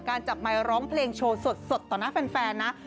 จับไมค์ร้องเพลงโชว์สดต่อหน้าแฟนนะ